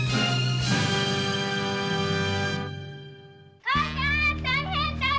お母ちゃん大変！